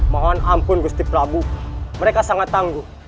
mohon ampun gusti prabu mereka sangat tangguh